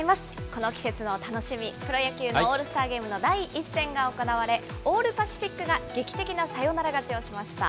この季節の楽しみ、プロ野球のオールスターゲームの第１戦が行われ、オール・パシフィックが劇的なサヨナラ勝ちをしました。